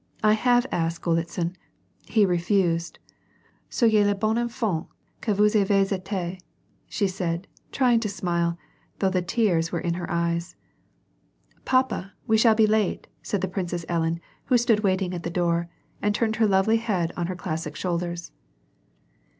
I have asked Golitsin, he refused. Sayez le bon enfant que vous avez eti/^ she said, trying to smile, though the tears were in her eyes. " Papa, we shall be late," said the Princess Ellen, who stood waiting at the door, and turned her lovely head on her classic shoulders.